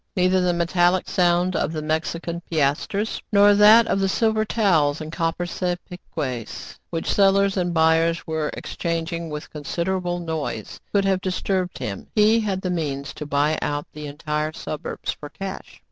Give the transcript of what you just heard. Neither the metallic sound of the Mexican piasters, nor that of the silver taels and copper sapeques, which sellers and buyers were exchanging with considerable noise, could have disturbed him. He had the means to buy out the entire suburbs for cash.